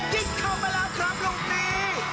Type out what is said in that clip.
ยิงเข้าไปแล้วครับลูกนี้